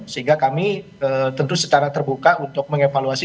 sehingga kami tentu secara terbuka untuk mengevaluasi